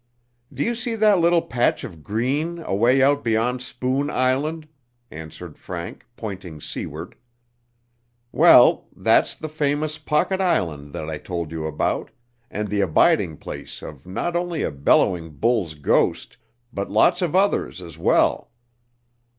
"Do you see that little patch of green away out beyond Spoon Island?" answered Frank, pointing seaward. "Well, that's the famous Pocket Island that I told you about, and the abiding place of not only a bellowing bull's ghost, but lots of others as well.